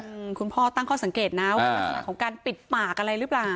คุณพ่อตั้งข้อสังเกตนะว่ารักษณะของการปิดปากอะไรหรือเปล่า